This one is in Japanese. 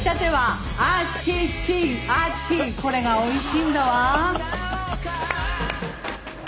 これがおいしいんだわ。